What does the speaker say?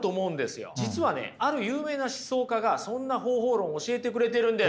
実はねある有名な思想家がそんな方法論教えてくれてるんです。